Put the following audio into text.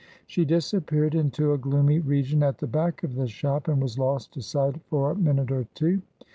She disappeared into a gloomy region at the back of the shop, and was lost to sight for a minute or two.